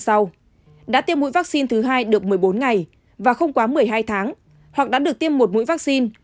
sau đã tiêm mũi vaccine thứ hai được một mươi bốn ngày và không quá một mươi hai tháng hoặc đã được tiêm một mũi vaccine